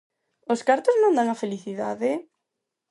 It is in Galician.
Os cartos non dan a felicidade?